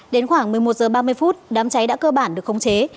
đến khoảng một mươi một h ba mươi đám cháy đã cơ bản được khống chế